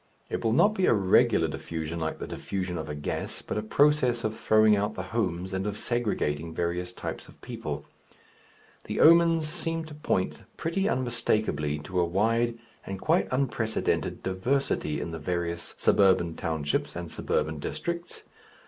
It will not be a regular diffusion like the diffusion of a gas, but a process of throwing out the "homes," and of segregating various types of people. The omens seem to point pretty unmistakably to a wide and quite unprecedented diversity in the various suburban townships and suburban districts.